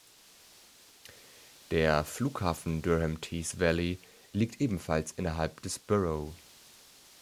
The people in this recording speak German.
Der Flughafen Durham Tees Valley liegt ebenfalls innerhalb des Borough.